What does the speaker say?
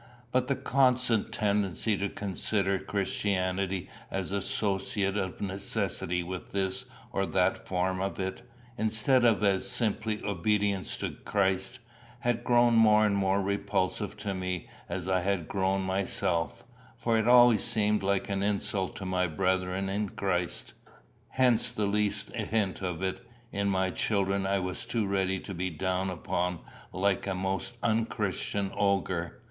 But the constant tendency to consider Christianity as associated of necessity with this or that form of it, instead of as simply obedience to Christ, had grown more and more repulsive to me as I had grown myself, for it always seemed like an insult to my brethren in Christ; hence the least hint of it in my children I was too ready to be down upon like a most unchristian ogre.